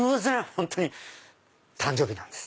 本当に誕生日なんです。